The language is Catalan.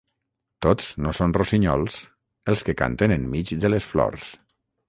Tots no són rossinyols els que canten en mig de les flors.